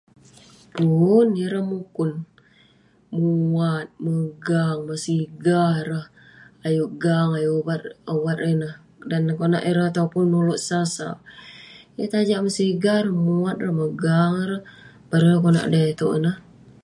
pun.. ireh mukun, muat, megang, mesigah ireh, ayuk gang ayuk wat ireh neh dan konak ireh topun ulouk sau, yeng tajak mesigah ireh, muat ireh, megang ireh..bareng ireh konak da itouk ineh